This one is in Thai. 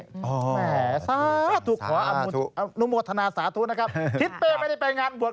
แหมสาธุขออนุโมทนาสาธุนะครับทิศเป้ไม่ได้ไปงานบวช